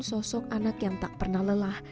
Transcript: sosok anak yang tak pernah lelah